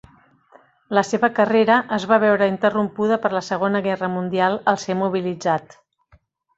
La seva carrera es va veure interrompuda per la segona guerra mundial, al ser mobilitzat.